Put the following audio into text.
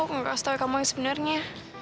aku gak tau kamu yang sebenarnya